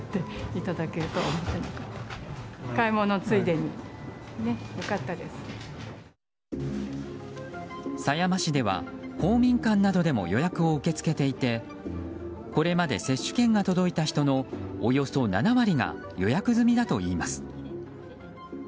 狭山市では公民館などでも予約を受け付けていてこれまで接種券が届いた人のおよそ７割が予約済みだといいます。